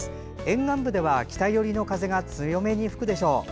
沿岸部では北寄りの風が強めに吹くでしょう。